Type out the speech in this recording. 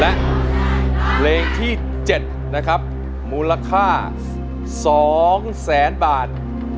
และเพลงที่๗นะครับมูลค่า๒แสนบาท